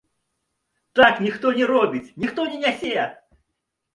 Так ніхто не робіць, ніхто не нясе.